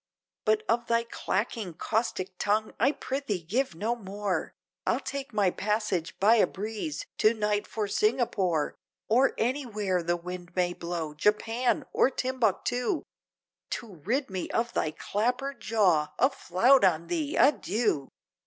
But of thy clacking caustic tongue, I prithee give no more, I'll take my passage by a breeze, to night for Singapore, Or anywhere the wind may blow, Japan! or Timbuctoo! To rid me of thy clapper jaw, a flout on thee! Adieu!"